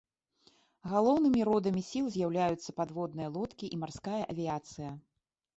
Галоўнымі родамі сіл з'яўляліся падводныя лодкі і марская авіяцыя.